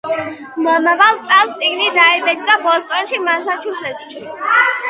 მომავალ წელს წიგნი დაიბეჭდა ბოსტონში, მასაჩუსეტსში.